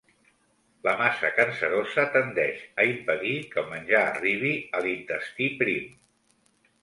La massa cancerosa tendeix a impedir que el menjar arribi a l'intestí prim.